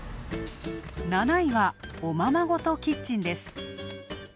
７位は、おままごとキッチンです。